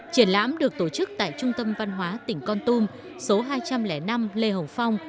triển lãm được tổ chức tại trung tâm văn hóa tỉnh con tum số hai trăm linh năm lê hồng phong